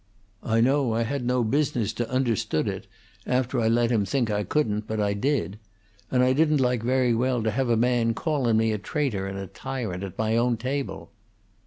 I know I had no business to understood it, after I let him think I couldn't but I did, and I didn't like very well to have a man callin' me a traitor and a tyrant at my own table.